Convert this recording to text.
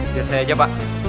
biar saya aja pak